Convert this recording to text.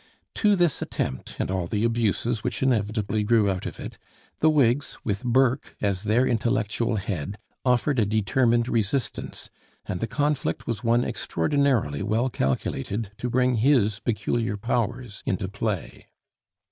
To this attempt, and all the abuses which inevitably grew out of it, the Whigs with Burke as their intellectual head offered a determined resistance, and the conflict was one extraordinarily well calculated to bring his peculiar powers into play.